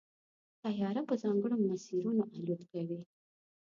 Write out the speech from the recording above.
طیاره په ځانګړو مسیرونو الوت کوي.